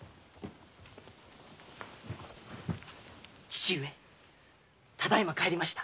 父上ただ今帰りました。